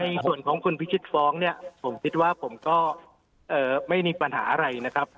ในส่วนของคุณพิชิตฟ้องเนี่ยผมคิดว่าผมก็ไม่มีปัญหาอะไรนะครับ